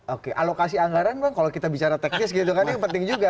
oke alokasi anggaran bang kalau kita bicara teknis gitu kan yang penting juga